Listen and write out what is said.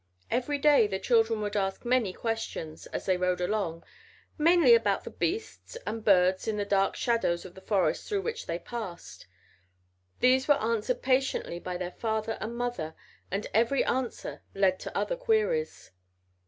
Every day the children would ask many questions, as they rode along, mainly about the beasts and birds in the dark shadows of the forest through which they passed. These were answered patiently by their father and mother and every answer led to other queries.